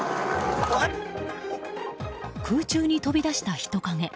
空中に飛び出した人影。